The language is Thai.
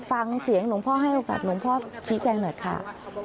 ฟังเสียงหลวงพ่อให้โอกาสหลวงพ่อชี้แจงหน่อยค่ะ